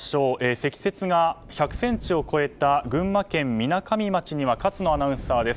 積雪が１００ｃｍを超えた群馬県みなかみ町には勝野アナウンサーです。